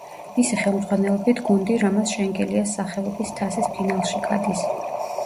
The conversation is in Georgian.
მისი ხელმძღვანელობით გუნდი რამაზ შენგელიას სახელობის თასის ფინალში გადის.